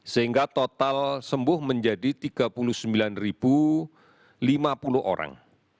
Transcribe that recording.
sehingga total sembuh menjadi tiga puluh sembilan lima puluh orang